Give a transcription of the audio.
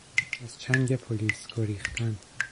از چنگ پلیس گریختن